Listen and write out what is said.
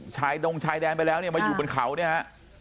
ดงชายแดนไปแล้วเนี่ยมาอยู่บนเขาเนี่ยฮะ